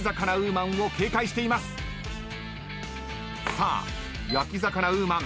さあ焼き魚ウーマン。